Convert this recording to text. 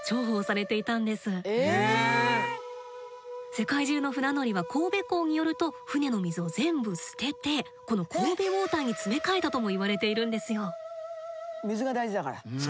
世界中の船乗りは神戸港に寄ると船の水を全部捨ててこの神戸ウォーターに詰め替えたともいわれているんですよ。